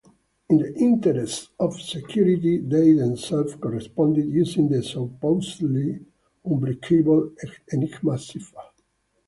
In the interest of security, they themselves corresponded using the supposedly "unbreakable" Enigma cipher.